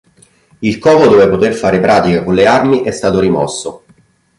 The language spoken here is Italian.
Il covo dove poter fare pratica con le armi è stato rimosso.